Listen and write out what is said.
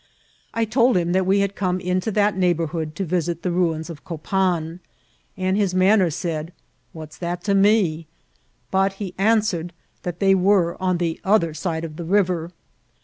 I told him that we had come into that neighbourhood to visit the ruins of Copan, and his man ner said. What's that to me ? but he answered that they were on the other side of the river.